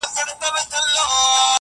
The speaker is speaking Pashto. پتڼ خو نه یم چي د عقل برخه نه لرمه-